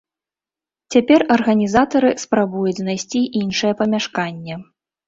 Цяпер арганізатары спрабуюць знайсці іншае памяшканне.